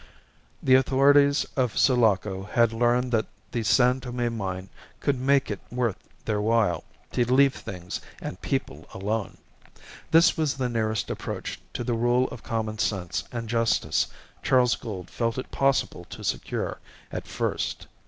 The authorities of Sulaco had learned that the San Tome mine could make it worth their while to leave things and people alone. This was the nearest approach to the rule of common sense and justice Charles Gould felt it possible to secure at first.